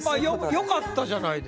よかったじゃないですか。